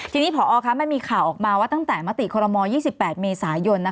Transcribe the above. ทีนี้พอมันมีข่าวออกมาว่าตั้งแต่มติคอรมอล๒๘เมษายน